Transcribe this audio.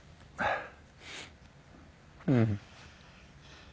うん。